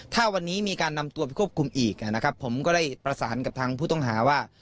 ถ้าวันนี้มีการนำตัวไปควบคุมอีกนะครับผมก็ได้ประสานกับทางผู้ต้องหาว่า